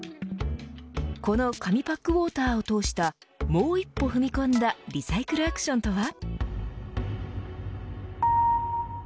この紙パックウォーターを通したもう一歩踏み込んだリサイクルアクションとは。